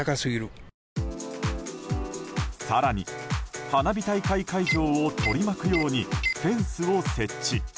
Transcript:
更に、花火大会会場を取り巻くようにフェンスを設置。